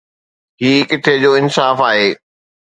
هي ڪٿي جو انصاف آهي؟